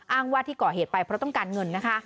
อ้างว่าที่ก่อเหตุไปเพราะต้องการเงินนะคะ